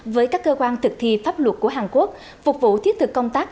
với các cơ quan thực thi pháp luật của hàn quốc phục vụ thiết thực công tác